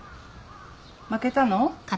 負けたの？